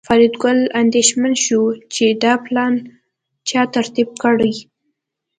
فریدګل اندېښمن شو چې دا پلان چا ترتیب کړی